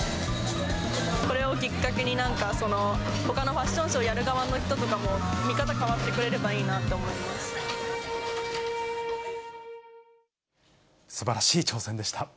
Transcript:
これをきっかけになんか、ほかのファッションショーやる側の人とかも、見方変わってくれれすばらしい挑戦でした。